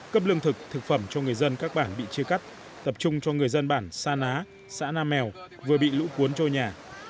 cấp lương thực thực phẩm cho người dân các bản bị chia cắt tập trung cho người dân bản sa ná xã nam mèo vừa bị lũ cuốn trôi nhà